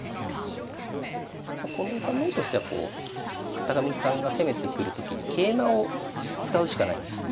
近藤さんの方としてはこう片上さんが攻めてくる時に桂馬を使うしかないんです。